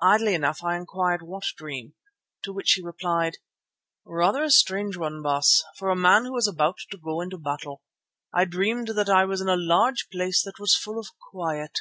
Idly enough I inquired what dream, to which he replied: "Rather a strange one, Baas, for a man who is about to go into battle. I dreamed that I was in a large place that was full of quiet.